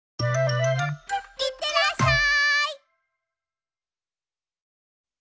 いってらっしゃい！